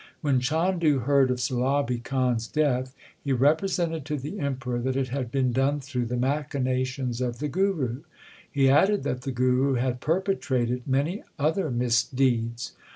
When Chandu heard of Sulabi Khan s death he represented to the Emperor that it had been done through the machinations of the Guru. He added that the Guru had perpetrated many other misdeeds.